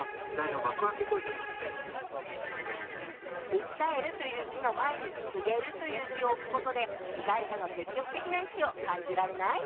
「訴える」という字の前に「告げる」という字を置くことで被害者の積極的な意思を感じられない？